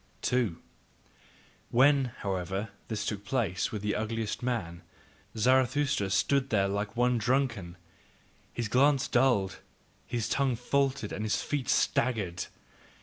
2. When, however, this took place with the ugliest man, Zarathustra stood there like one drunken: his glance dulled, his tongue faltered and his feet staggered.